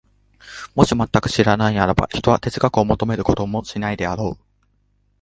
もし全く知らないならば、ひとは哲学を求めることもしないであろう。